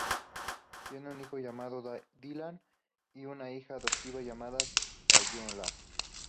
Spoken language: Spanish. Tienen un hijo llamado Dylan y una hija adoptiva llamada Tallulah.